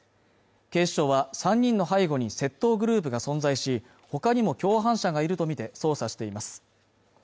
警視庁は３人の背後に窃盗グループが存在しほかにも共犯者がいるとみて捜査しています